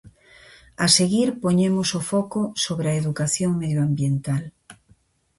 A seguir poñemos o foco sobre a educación medioambiental.